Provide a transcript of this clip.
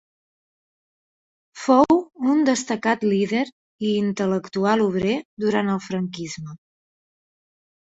Fou un destacat líder i intel·lectual obrer durant el franquisme.